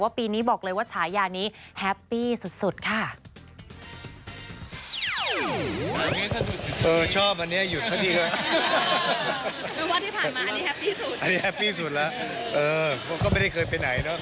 ปีนี้บอกเลยว่าฉายานี้แฮปปี้สุดค่ะ